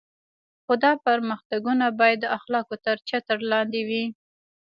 خو دا پرمختګونه باید د اخلاقو تر چتر لاندې وي.